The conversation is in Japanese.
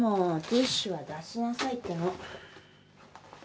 ティッシュは出しなさいっての。